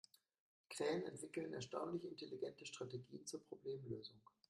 Krähen entwickeln erstaunlich intelligente Strategien zur Problemlösung.